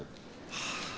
はあ。